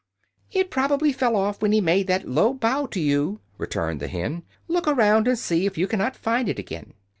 "It probably fell off when he made that low bow to you," returned the hen. "Look around, and see if you cannot find it again."